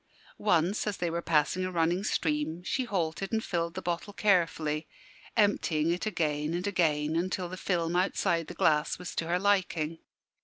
Once, as they were passing a running stream, she halted and filled the bottle carefully, emptying it again and again until the film outside the glass was to her liking.